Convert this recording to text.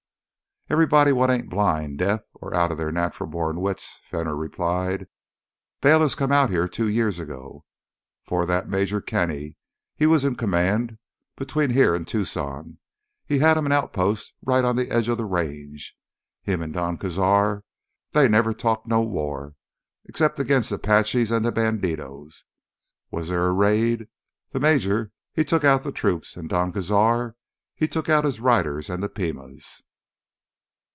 "Everybody wot ain't blind, deef, or outta their natural born wits," Fenner replied. "Bayliss come out here two years ago. 'Fore that, Major Kenny, he was in command between here an' Tucson. Had him an outpost right on th' edge o' th' Range. Him an' Don Cazar, they never talked no war, 'cept 'gainst Apaches an' th' bandidos. Was there a raid, th' major, he took out th' troops; and Don Cazar, he took out his riders an' th' Pimas.